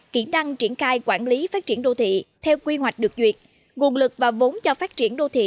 kỹ năng triển khai quản lý phát triển đô thị theo quy hoạch được duyệt nguồn lực và vốn cho phát triển đô thị